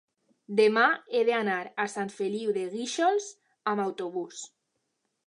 demà he d'anar a Sant Feliu de Guíxols amb autobús.